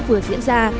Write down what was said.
vừa diễn ra